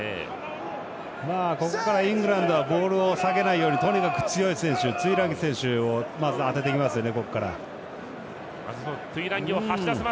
ここからイングランドはボールを下げないようにとにかく強い選手トゥイランギ選手を当ててきますよね